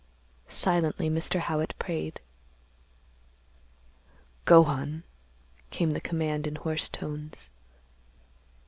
Silently Mr. Howitt prayed. "Go on," came the command in hoarse tones.